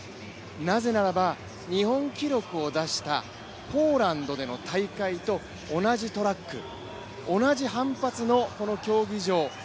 なぜならば、日本記録を出したポーランドでの大会と同じトラック、同じ反発の競技場。